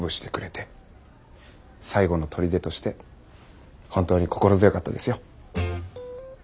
最後の砦として本当に心強かったですよ。